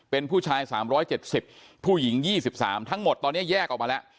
เป็นผู้ชาย๓๗๐ผู้หญิง๒๓ทั้งหมดตอนนี้แยกออกมาแล้ว